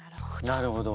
なるほど。